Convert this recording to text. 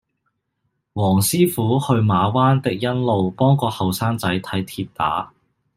黃師傅去馬灣迪欣路幫個後生仔睇跌打